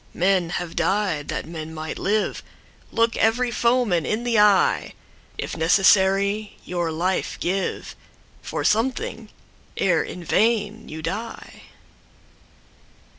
Men have died that men might live:Look every foeman in the eye! If necessary, your life giveFor something, ere in vain you die.